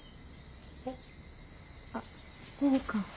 えっあっ何か。